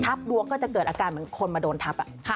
ดวงก็จะเกิดอาการเหมือนคนมาโดนทับ